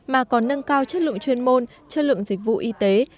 mà còn nâng cao chất lượng chuyên môn chất lượng dịch vụ y tế